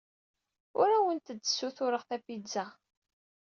Ur awent-d-ssutureɣ tapizza.